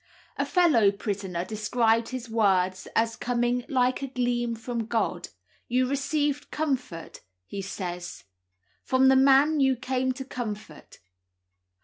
A fellow prisoner described his words as coming "like a gleam from God. You received comfort," he says, "from the man you came to comfort."